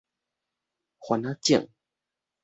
番仔井